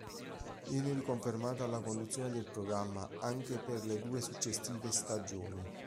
Viene riconfermata alla conduzione del programma anche per le due successive stagioni.